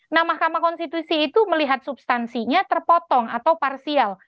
nah mahkamah konstitusi itu melihat substansinya terpotong atau parsial